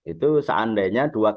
itu seandainya dua kandidatnya